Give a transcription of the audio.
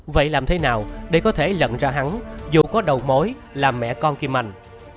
vậy làm thế nào để có thể lận ra hắn dù có đầu mối là mẹ con kim anh